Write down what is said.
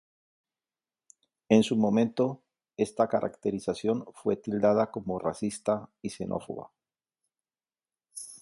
En su momento, esta caracterización fue tildada como racista y xenófoba.